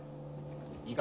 いいか。